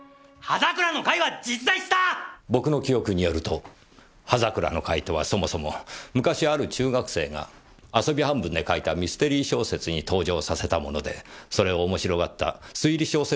僕の記憶によると刃桜の会とはそもそも昔ある中学生が遊び半分で書いたミステリー小説に登場させたものでそれを面白がった推理小説